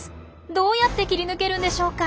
どうやって切り抜けるんでしょうか？